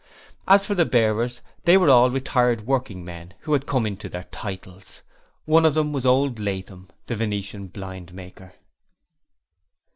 As for the bearers, they were all retired working men who had come into their 'titles'. One of them was old Latham, the venetian blind maker.